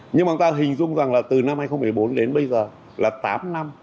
nhưng mà người ta hình dung rằng là từ năm hai nghìn một mươi bốn đến bây giờ là tám năm